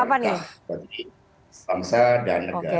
supaya berterkah bagi bangsa dan negara